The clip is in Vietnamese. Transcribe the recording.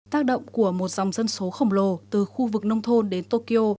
tác động của một dòng dân số khổng lồ từ khu vực nông thôn đến tokyo